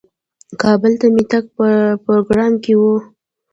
کابل ته مې تګ په پروګرام کې و.